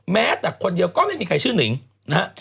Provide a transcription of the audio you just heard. แม้แต่คนเดียวก็ไม่มีใครชื่อนิงนะฮะ